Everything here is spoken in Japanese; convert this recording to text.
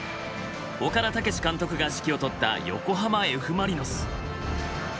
岡田武史監督が指揮を執った横浜Ｆ・マリノス。